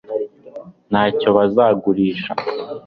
ntacyo bazagurisha